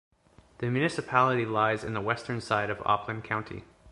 The municipality lies in the western side of Oppland county.